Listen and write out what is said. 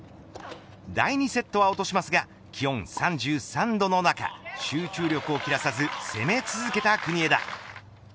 第２セットは落としますが気温３３度の中集中力を絶やさず攻め続けた国枝。